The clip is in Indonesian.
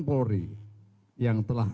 polri yang telah